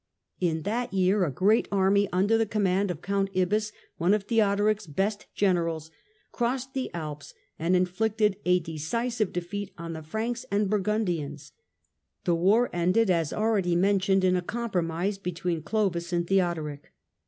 In that year a great army, under the command of Count Ibbas, one of Theo doric's best generals, crossed the Alps and inflicted a decisive defeat on the Franks and Burgundians. The war ended, as already mentioned, in a compromise be tween Clovis and Theodoric.